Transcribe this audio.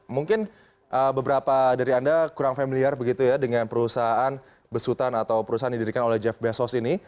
mungkin beberapa dari anda kurang familiar begitu ya dengan perusahaan besutan atau perusahaan yang didirikan oleh jeff bezos ini